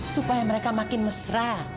supaya mereka makin mesra